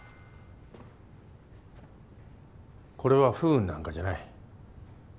これは不運なんかじゃない。